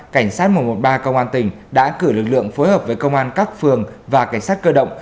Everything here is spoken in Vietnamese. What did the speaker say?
cảnh sát một trăm một mươi ba công an tỉnh đã cử lực lượng phối hợp với công an các phường và cảnh sát cơ động